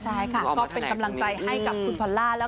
ใช่ค่ะก็เป็นกำลังใจให้กับคุณพอลล่าแล้ว